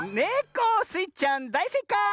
スイちゃんだいせいかい！